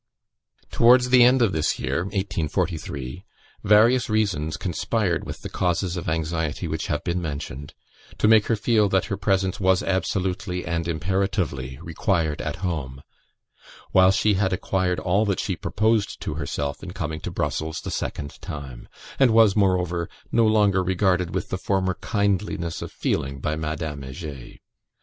"C. B." Towards the end of this year (1843) various reasons conspired with the causes of anxiety which have been mentioned, to make her feel that her presence was absolutely and imperatively required at home, while she had acquired all that she proposed to herself in coming to Brussels the second time; and was, moreover, no longer regarded with the former kindliness of feeling by Madame Heger.